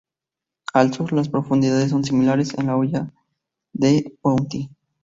Al sur, las profundidades son similares en la Hoya de Bounty.